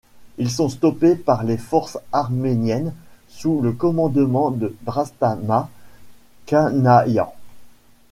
Ils sont stoppés par les forces arméniennes sous le commandement de Drastamat Kanayan.